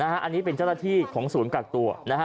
อันนี้เป็นเจ้าหน้าที่ของศูนย์กักตัว